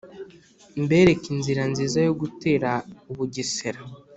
mbereke inzira nziza yo gutera u bugesera.